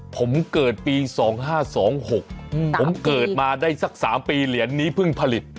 ผมเกิดปี๒๕๒๖ผมเกิดมาได้สัก๓ปีเหรียญนี้เพิ่งผลิต